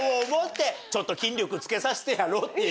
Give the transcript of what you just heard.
ちょっと筋力つけさせてやろう。